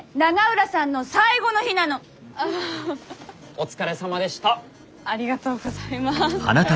お疲れさまでした。